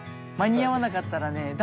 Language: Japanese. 間に合わなかったらね